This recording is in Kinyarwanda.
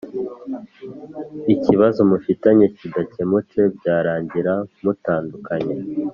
Ikibazo mufitanye kidakemutse byarangira mutandukanye